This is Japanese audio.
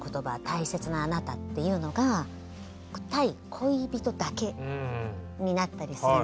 「大切なあなた」っていうのが対恋人だけになったりする。